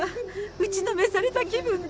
打ちのめされた気分だ。